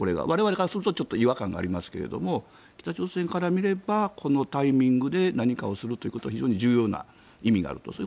我々からするとちょっと違和感がありますが、北朝鮮から見ればこのタイミングで何かをするということは非常に重要な意味があると。